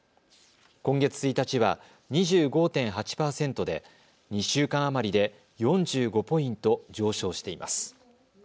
今月１日は２５．８％で２週間余りで４５ポイント上昇しています。